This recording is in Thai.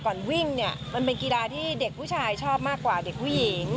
วิ่งเนี่ยมันเป็นกีฬาที่เด็กผู้ชายชอบมากกว่าเด็กผู้หญิง